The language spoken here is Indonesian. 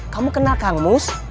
kamu kenal kang mus